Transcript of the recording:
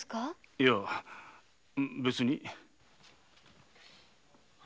いや別に。